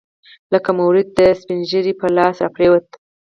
لکه مريد د سپينږيري په لاس راپرېوت.